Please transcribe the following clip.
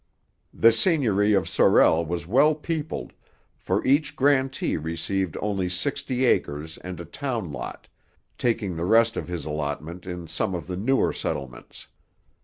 The seigneury of Sorel was well peopled, for each grantee received only sixty acres and a town lot, taking the rest of his allotment in some of the newer settlements.